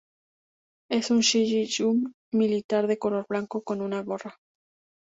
Es un Shy Guy militar de color blanco con una gorra.